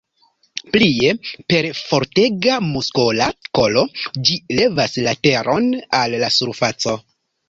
Plie, per fortega muskola kolo ĝi levas la teron al la surfaco.